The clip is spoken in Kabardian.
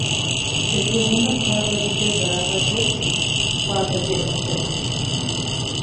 КӀэтӀий гъумыр хуабэ щӀыкӀэ зэрагъэдзэкӀри, псы хуабэкӀэ ялъэс.